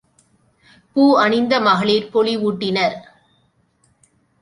பூ அணிந்த மகளிர் பொலிவு ஊட்டினர்.